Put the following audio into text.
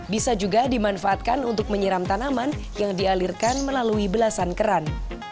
bisa juga dimanfaatkan untuk menyiram tanaman yang dialirkan melalui belasan keran